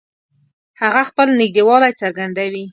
هغه خپل نږدېوالی څرګندوي